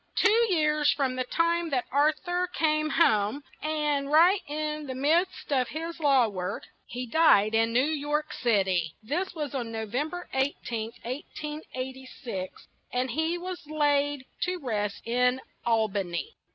Two years from the time that Ar thur came home, and right in the midst of his law work, he died in New York Cit y; this was on No vem ber 18th, 1886; and he was laid to rest in Al ba ny.